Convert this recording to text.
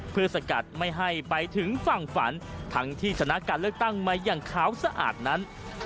เพื่อสกัดไม่ให้ไปถึงฝั่งฝันทั้งที่ชนะการเลือกตั้งมาอย่างขาวสะอาดนั้น